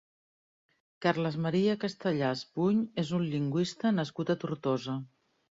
Carles Maria Castellà Espuny és un lingüista nascut a Tortosa.